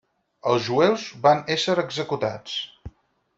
Els jueus van ésser executats.